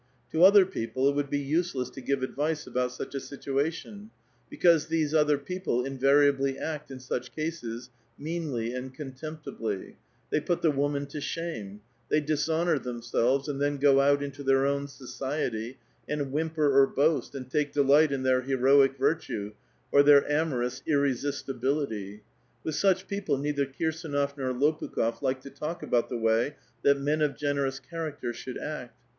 To otiier people it would be useless to give advice about sucb a situation, because these other people invariably act in sucb cases meanly and contemptibly ; they put tbe woman to shame ; they dishonor themselves, and then go out into their own society, and wbimi)er or boast, and take delight in their heroic virtue, or their amor ous irresistibility. With sucb people neither Kirsdnof nor Lopukb6f liked to talk about tbe way that men of generous cbaracter should act.